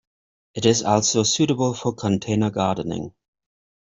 It is also suitable for container gardening.